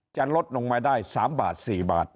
จะลดลงมาได้๓บาท๔บาท